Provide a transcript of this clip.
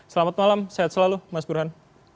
selamat malam sehat selalu mas burhan